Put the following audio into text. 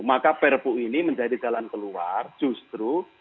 maka perpu ini menjadi jalan keluar justru